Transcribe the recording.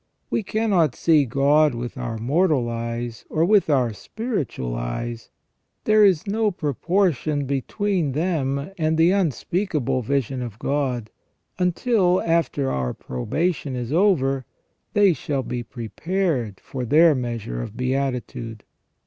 We cannot see God with our mortal eyes or with our spiritual eyes ; there is no proportion between them and the unspeakable vision of God, until, after our probation is over, they shall be pre pared for their measure of beatitude.